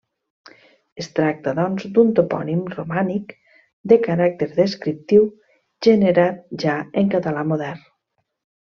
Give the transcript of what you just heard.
Es tracta, doncs, d'un topònim romànic de caràcter descriptiu, generat ja en català modern.